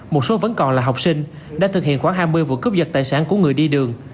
một số vẫn còn là học sinh đã thực hiện khoảng hai mươi vụ cướp dật tài sản của người đi đường